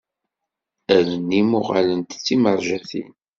Allen-im uɣalent d timerjatin.